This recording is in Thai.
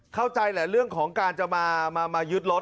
เข้าใจแหละเรื่องของการจะมายึดรถ